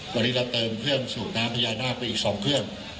วันนี้เราเติมเครื่องสูบน้ำพญานาคไปอีก๒เครื่อง